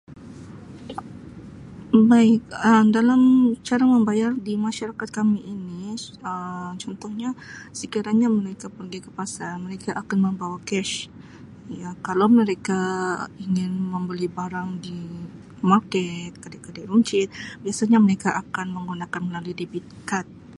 [unintelligible] Um Dalam cara membayar di masyarakat kami ini contohnya sekiranya mereka pergi ke pasar mereka akan membawa cash ya kalau mereka ingin mambali barang di market, kedai-kedai runcit biasanya mereka akan menggunakan melalui debit card.